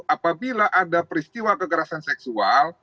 apabila ada peristiwa kekerasan seksual